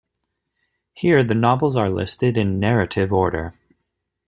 Here the novels are listed in narrative order.